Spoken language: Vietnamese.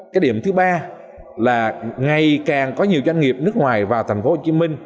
cái điểm thứ ba là ngày càng có nhiều doanh nghiệp nước ngoài vào tp hcm